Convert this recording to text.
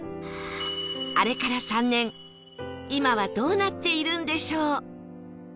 あれから３年今はどうなっているんでしょう？